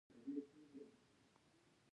څنګه کولی شم د ماشومانو لپاره د روبوټکس کټ واخلم